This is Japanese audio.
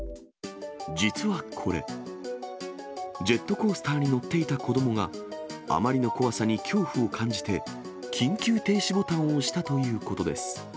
実はこれ、ジェットコースターに乗っていた子どもが、あまりの怖さに恐怖を感じて、緊急停止ボタンを押したということです。